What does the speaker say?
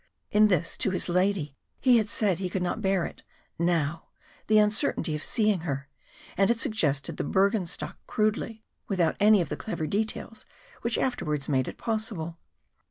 In this to his lady he had said he could not bear it now, the uncertainty of seeing her, and had suggested the Bürgenstock crudely, without any of the clever details which afterwards made it possible.